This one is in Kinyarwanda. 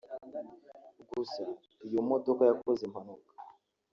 Gusa iyo modoka yakoze impanuka